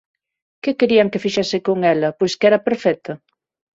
Que querían que fixese con ela, pois que era perfecta?